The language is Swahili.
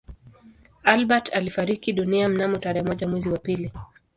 Albert alifariki dunia mnamo tarehe moja mwezi wa pili